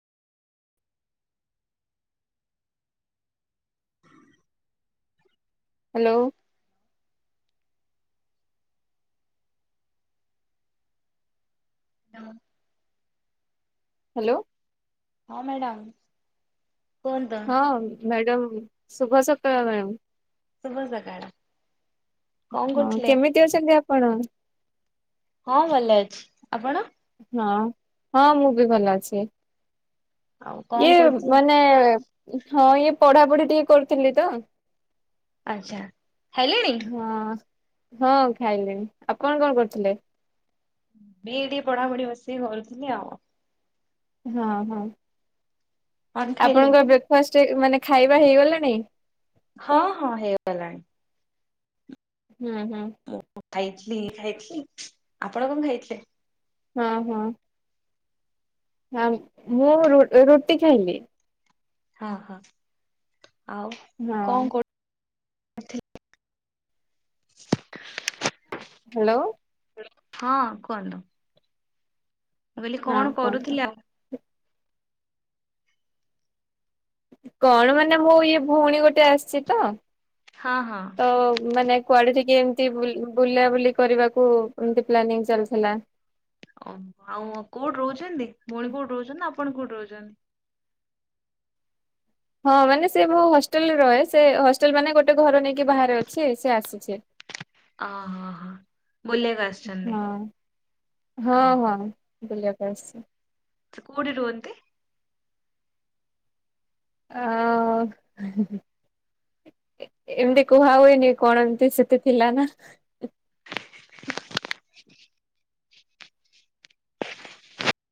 Hello. [unintelligible] Hello. ହଁ madam. ହଁ madam, ଶୁଭ ସକାଳ ମ୍ୟାମ୍। ଶୁଭ ସକାଳ। କଣ ହଁ କରୁଥିଲେ? କେମିତି ଅଛନ୍ତି ଆପଣ? ହଁ ଭଲ ଅଛି, ଆପଣ? ହଁ, ହଁ ମୁଁ ବି ଭଲ ଅଛି। ଆଉ ଇଏ କଣ କରୁଥିଲେ? ମାନେ ହଁ ଇଏ ପଢ଼ାପଢ଼ି ଟିକେ କରୁଥିଲି ତ। ଆଚ୍ଛା। ଖାଇଲେଣି ହଁ ହଁ ଖାଇଲିଣିି, ଆପଣ କଣ କରୁଥିଲେ? ବିଇଡ଼ି ପଢ଼ାପଢ଼ି ବସିକି କରୁଥିଲି ଆଉ। ହଁ, ହଁ କଣ ଖାଇଲେ? ଆପଣଙ୍କ ବ୍ରେକଫାଷ୍ଟ ଏ, ମାନେ ଖାଇବା ହେଇଗଲାଣି? ହଁ ହଁ ହେଇଗଲାଣି। ହୁଁ, ହୁଁ। ମୁଁ ଖାଇଥିଲି ଖାଇଥିଲି, ଆପଣ କଣ ଖାଇଥିଲେ? ହଁ, ହଁ। ହ୍ୟାମ୍ ମୁଁ ରୁ- ରୁଟି ଖାଇଲି। ହଁ ହଁ ଆଉ ହଁ କଣ କର ହେଲୋ। ହଁ କୁହନ୍ତୁ, ମୁଁ କହିଲି ହଁ କଣ କୁହନ୍ତୁ କରୁଥିଲ? କଣ ମାନେ ମୋ ଇଏ ଭଉଣୀ ଗୋଟେ ଆସିଛି ତ, ହଁ ହଁ ତ ମାନେ କୁଆଡେ ଟିକେ ଏମିତି ବୁଲ୍, ବୁଲା ବୁଲି କରିବାକୁ ଏମିତି ପ୍ଲାନିଂ ଚାଲିଥିଲା। ଓମ୍, ଆଉ କୋଉଠି ରହୁଛନ୍ତି ଭଉଣୀ କୋଉଠି ରହୁଛନ୍ତି ନା ଆପଣ କୋଉଠି ରହୁଛନ୍ତି? ହଁ ମାନେ ସେ ମୋ ହଷ୍ଟେଲ୍ ରେ ରହେ, ସେ ହଷ୍ଟେଲ୍ ମାନେ ଗୋଟେ ଘର ନେଇକି ବାହାରେ ଅଛି ସେ ଆସି ଅଛି। ଓ ହଁ, ହଁ ବୁଲିବାକୁ ଆସିଛନ୍ତି ହଁ ଓହୋ। ବୁଲିଆକୁ ଆସିଛି। ସେ କୋଉଠି ରୁହନ୍ତି? ଅ, ଏ ଏମିତି କୁହା ହୁଏନି କଣ ଏମିତି ସେତେ ଥିଲା ନା। [inaudible]